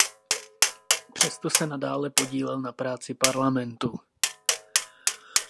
Přesto se nadále podílel na práci parlamentu.